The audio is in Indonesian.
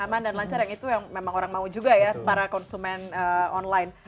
aman dan lancar yang itu yang memang orang mau juga ya para konsumen online